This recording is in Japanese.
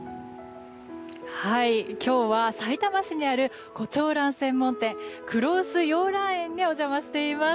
今日はさいたま市にある胡蝶蘭専門店黒臼洋蘭園にお邪魔しています。